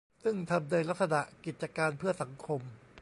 ซึ่งทำในลักษณะกิจการเพื่อสังคม